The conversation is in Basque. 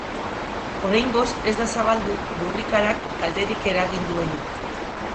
Oraingoz ez da zabaldu lurrikarak kalterik eragin duenik.